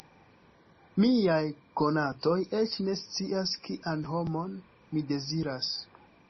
Miaj konatoj eĉ ne scias kian homon mi deziras.